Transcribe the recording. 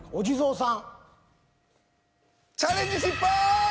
チャレンジ失敗！